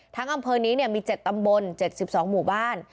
อำเภอนี้มี๗ตำบล๗๒หมู่บ้าน